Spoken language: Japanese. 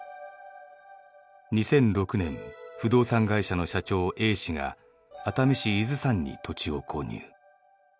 ２００６年不動産会社の社長Ａ氏が熱海市伊豆山に土地を購入。